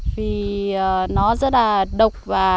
vì nó rất là độc và